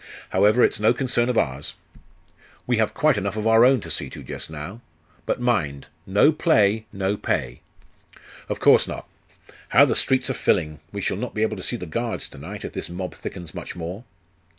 However, it's no concern of ours.' 'We have quite enough of our own to see to just now. But mind, no play, no pay.' 'Of course not. How the streets are filling! We shall not be able to see the guards to night, if this mob thickens much more.